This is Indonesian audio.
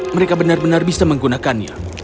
mereka benar benar bisa menggunakannya